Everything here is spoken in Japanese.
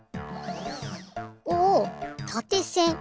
おおたてせん。